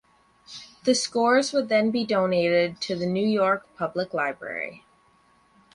The scores would then be donated to the New York Public Library.